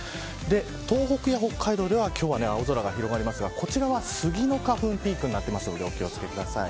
東北や北海道は今日は青空が広がりますがこちらはスギの花粉がピークになってるのでお気を付けください。